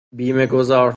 بیمه گذار